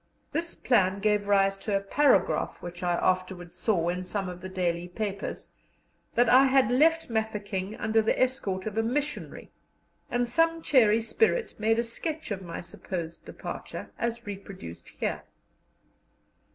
This plan gave rise to a paragraph which I afterwards saw in some of the daily papers, that I had left Mafeking under the escort of a missionary, and some cheery spirit made a sketch of my supposed departure as reproduced here.